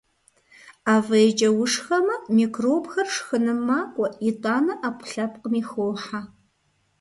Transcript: Ӏэ фӀейкӀэ ушхэмэ, микробхэр шхыным макӀуэ, итӀанэ Ӏэпкълъэпкъми хохьэ.